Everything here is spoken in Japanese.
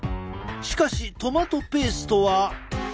しかしトマトペーストは。